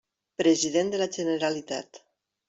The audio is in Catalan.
President de la Generalitat.